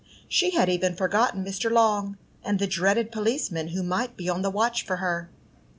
She had even forgotten Mr. Long, and the dreaded policemen who might be on the watch for her.